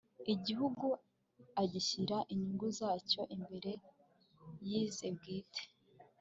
igihugu, agashyira inyungu zacyo imbere y'ize bwite